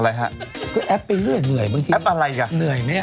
อะไรฮะก็แอปไปเรื่อยเหนื่อยบางทีแอปอะไรอ่ะเหนื่อยไหมอ่ะ